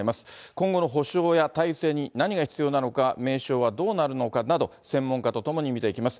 今後の補償や体制に何が必要なのか、名称はどうなるのかなど、専門家と共に見ていきます。